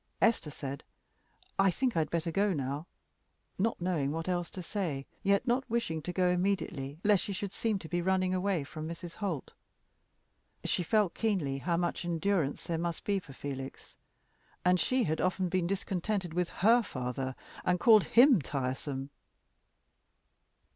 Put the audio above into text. Esther said, "I think I had better go now," not knowing what else to say, yet not wishing to go immediately, lest she should seem to be running away from Mrs. Holt. She felt keenly how much endurance there must be for Felix. And she had often been discontented with her father, and called him tiresome!